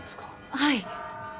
はい。